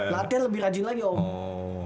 latihan lebih rajin lagi om